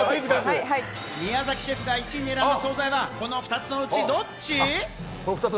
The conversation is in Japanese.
宮崎シェフが１位に選んだ総菜は、この２つのうち、どっち？